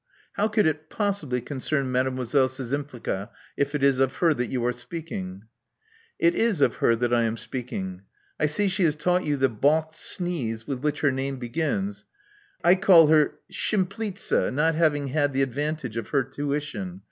How could it possibly concern Mademoiselle Szczympliga — ^if it is of her that you are speaking?" *'It is of her that I am speaking. I see die !has taught you the balked sneeze with wiiidi Jtesr laanat begins. I call her Stchimpleetza, not lascviD^sailSDe advantage of her tuition.